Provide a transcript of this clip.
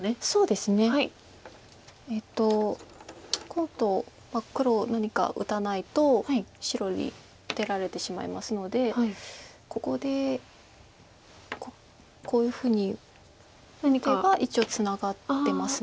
今度黒何か打たないと白に出られてしまいますのでここでこういうふうに打てば一応ツナがってます。